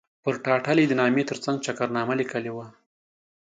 پر ټایټل یې د نامې ترڅنګ چکرنامه لیکلې وه.